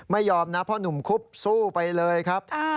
ไม่ยอมนะเพราะหนุ่มคุบสู้ไปเลยครับ